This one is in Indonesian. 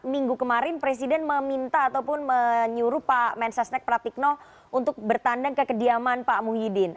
minggu kemarin presiden meminta ataupun menyuruh pak mensesnek pratikno untuk bertandang ke kediaman pak muhyiddin